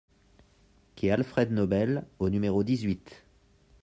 Quai Alfred Nobel au numéro dix-huit